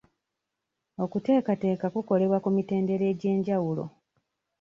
Okuteekateeka kukolebwa ku mitendera egy'enjawulo.